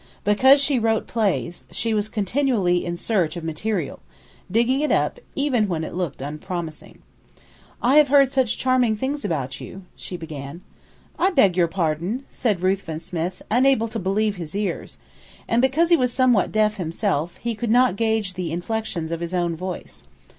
Because she wrote plays, she was continually in search of material, digging it up, even when it looked unpromising. "I have heard such charming things about you," she began. "I beg your pardon!" said Ruthven Smith, unable to believe his ears. And because he was somewhat deaf himself, he could not gauge the inflections of his own voice.